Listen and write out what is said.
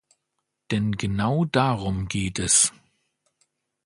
Denn genau darum geht es.